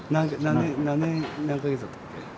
何年何か月だったっけ？